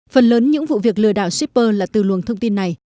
phần lớn những vụ việc lừa đảo shipper là từ luồng thông tin này